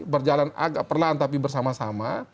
berjalan agak perlahan tapi bersama sama